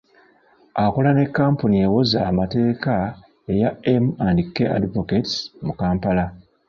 Akola ne kkampuni ewoza amateeka eya M and K Advocates, mu Kampala